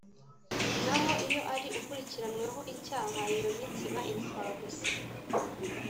naho iyo ari ukurikiranyweho icyaha iyo minsi iba imfabusa